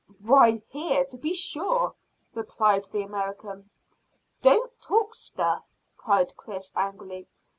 "Why, here, to be sure," replied the American. "Don't talk stuff!" cried Chris angrily.